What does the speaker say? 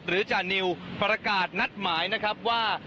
จานิวประกาศนัดหมายนะครับว่า